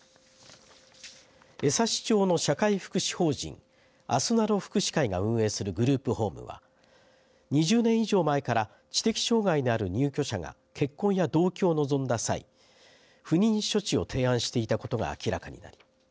江差町の社会福祉法人あすなろ福祉会が運営するグループホームは２０年以上前から知的障害のある入居者が結婚や同居を望んだ際不妊処置を提案していたことが明らかになり